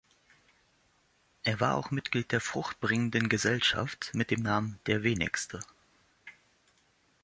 Er war auch Mitglied der Fruchtbringenden Gesellschaft, mit dem Namen „der Wenigste“.